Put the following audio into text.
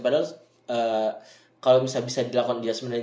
padahal kalau bisa dilakukan di asmennya